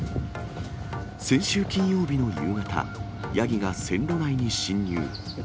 先週金曜日の夕方、ヤギが線路内に侵入。